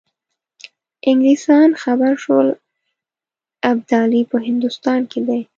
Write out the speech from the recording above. انګلیسان خبر شول ابدالي په هندوستان کې دی.